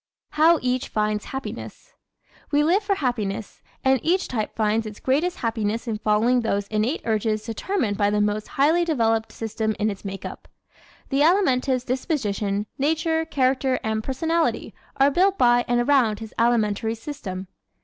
How Each Finds Happiness ¶ We live for happiness and each type finds its greatest happiness in following those innate urges determined by the most highly developed system in its makeup. The Alimentive's disposition, nature, character and personality are built by and around his alimentary system.